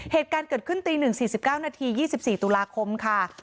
เหตุการณ์เกิดขึ้นตี๑๔๙นาที๒๔ตุลาคมค่ะ